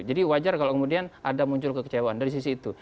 jadi wajar kalau kemudian ada muncul kekecewaan dari sisi itu